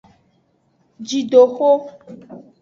Jidexo.